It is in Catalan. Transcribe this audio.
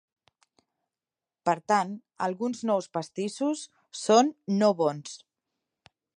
Per tant, alguns nous pastissos són no-bons...